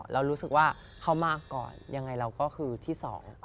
เรารู้สึกว่าเขามาก่อนยังไงเราก็คือที่สอง